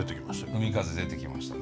海風出てきましたね。